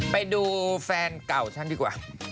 ไปดูแฟนเก่าฉันดีกว่า